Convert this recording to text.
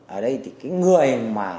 ở đây thì người mà